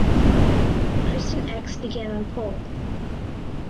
Christian Eckes began on pole.